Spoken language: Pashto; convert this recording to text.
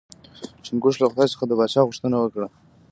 چنګښو له خدای څخه د پاچا غوښتنه وکړه.